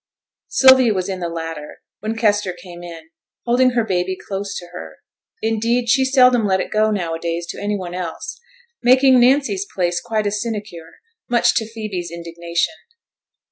Sylvia was in the latter when Kester came in, holding her baby close to her; indeed, she seldom let it go now a days to any one else, making Nancy's place quite a sinecure, much to Phoebe's indignation.